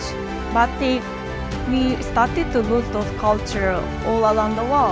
tapi kita mulai kehilangan kultur kultur itu di seluruh dunia